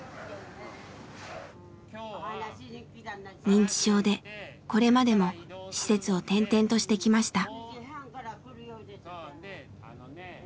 認知症でこれまでも施設を転々としてきました。